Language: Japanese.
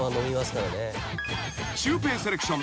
［シュウペイセレクション。